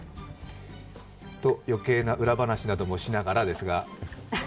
余計な裏話などもしながらですが。